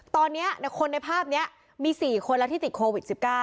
ตอนนี้คนในภาพนี้มี๔คนแล้วที่ติดโควิด๑๙